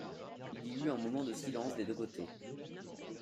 Il y eut un moment de silence des deux côtés.